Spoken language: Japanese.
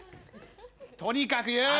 とにかくよ。